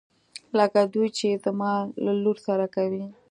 لکه دوی چې يې زما له لور سره کوي.